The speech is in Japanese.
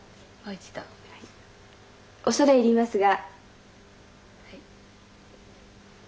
恐れ入りますが。